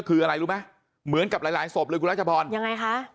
คืออะไรรู้ไหมเหมือนกับหลายศพเลยรักษาพอลย์ยังไงคะ